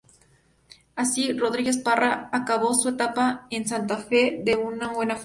Así, Rodríguez Parra acabó su etapa en Santa Fe de muy buena forma.